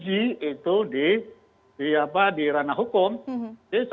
jadi saya tidak bisa menilai apakah yang di sana lebih legal daripada yang di sana